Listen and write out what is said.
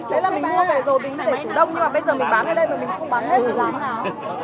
tại là mình mua rồi bình thường đông nhưng mà bây giờ mình bán ở đây mà mình không bán hết